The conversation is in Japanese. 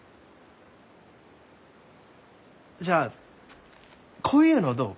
じゃあこういうのどう？